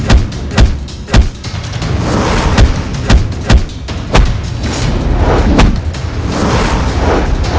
hidup raja narawangsa